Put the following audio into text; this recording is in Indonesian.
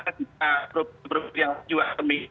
ada beberapa yang juga temik